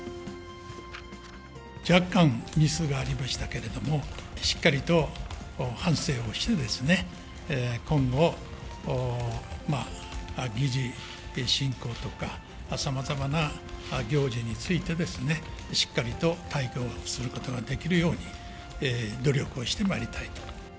若干ミスがありましたけれども、しっかりと反省をしてですね、今後、議事進行とか、さまざまな行事についてですね、しっかりと対応することができるように努力をしてまいりたいと。